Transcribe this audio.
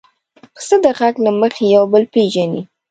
پسه د غږ له مخې یو بل پېژني.